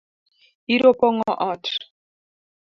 Iro opong’o ot